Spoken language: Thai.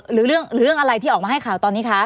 หรือเรื่องอะไรที่ออกมาให้ข่าวตอนนี้คะ